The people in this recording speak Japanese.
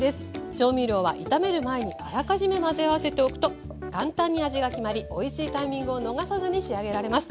調味料は炒める前にあらかじめ混ぜ合わせておくと簡単に味が決まりおいしいタイミングを逃さずに仕上げられます。